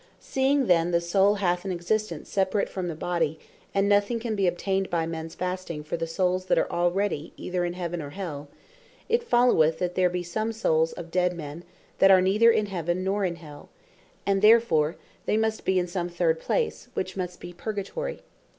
Seeing then the Soule hath an existence separate from the Body, and nothing can be obtained by mens Fasting for the Soules that are already either in Heaven, or Hell, it followeth that there be some Soules of dead men, what are neither in Heaven, nor in Hell; and therefore they must bee in some third place, which must be Purgatory.